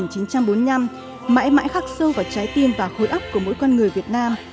ngày hai tháng chín năm một nghìn chín trăm bốn mươi năm mãi mãi khắc sâu vào trái tim và khối óc của mỗi con người việt nam